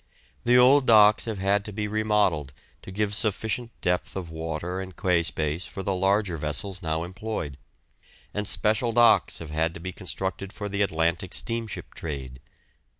The old docks have had to be remodelled to give sufficient depth of water and quay space for the larger vessels now employed, and special docks have had to be constructed for the Atlantic steamship trade.